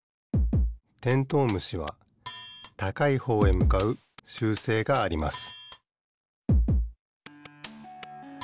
テントウムシはたかいほうへむかうしゅうせいがあります